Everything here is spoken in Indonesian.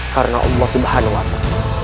karena allah subhanahu wa ta'ala